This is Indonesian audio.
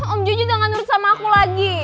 om jojo udah gak nurut sama aku lagi